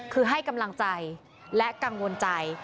คือให้กำลังใจและกังวลใจ